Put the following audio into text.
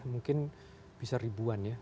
mungkin bisa ribuan ya